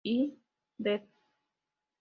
I, ed.